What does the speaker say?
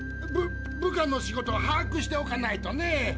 ぶ部下の仕事をはあくしておかないとね。